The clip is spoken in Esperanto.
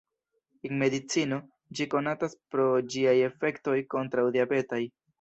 En medicino, ĝi konatas pro ĝiaj efektoj kontraŭ-diabetaj.